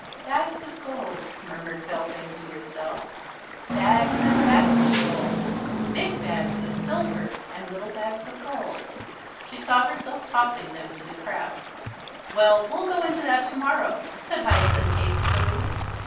"Bags of gold," murmured Belvane to herself. "Bags and bags of gold. Big bags of silver and little bags of gold." She saw herself tossing them to the crowd. "Well, we'll go into that to morrow," said Hyacinth hastily.